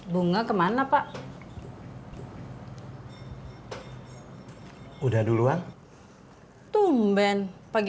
bunga kemana pak